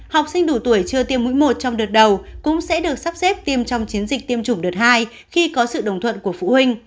học sinh đủ tuổi chưa tiêm mũi một trong đợt đầu cũng sẽ được sắp xếp tiêm trong chiến dịch tiêm chủng đợt hai khi có sự đồng thuận của phụ huynh